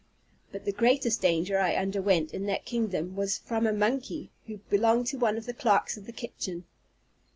But the greatest danger I underwent in that kingdom was from a monkey, who belonged to one of the clerks of the kitchen.